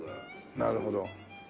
なるほど。